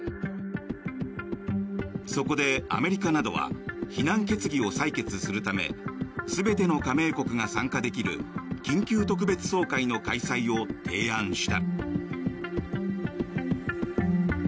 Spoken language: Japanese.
そこでアメリカなどは非難決議を採決するため全ての加盟国が参加できる緊急特別総会の開催を提案した。